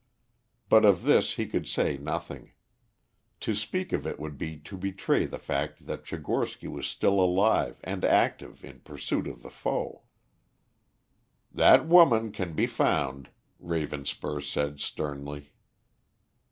But of this he could say nothing. To speak of it would be to betray the fact that Tchigorsky was still alive and active in pursuit of the foe. "That woman can be found," Ravenspur said sternly.